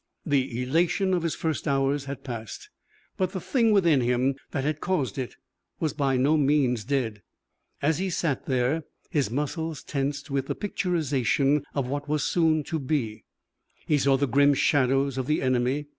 The elation of his first hours had passed. But the thing within him that had caused it was by no means dead. As he sat there, his muscles tensed with the picturization of what was soon to be. He saw the grim shadows of the enemy.